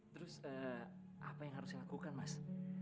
terus apa yang harus saya lakukan mas